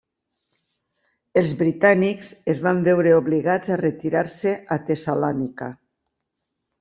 Els britànics es van veure obligats a retirar-se a Tessalònica.